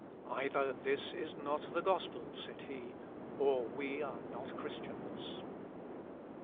"Either this is not the gospel," said he, "or we are not Christians."